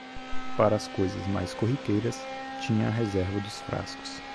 Para as coisas mais corriqueiras tinha a reserva dos frascos.